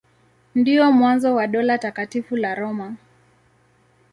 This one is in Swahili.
Ndio mwanzo wa Dola Takatifu la Roma.